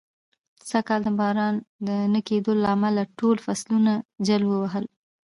سږ کال د باران د نه کېدلو له امله، ټول فصلونه جل و وهل.